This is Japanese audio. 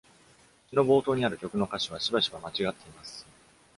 詩の冒頭にある曲の歌詞はしばしば間違っています。